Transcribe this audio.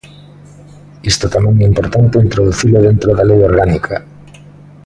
Isto tamén é importante introducilo dentro da lei orgánica.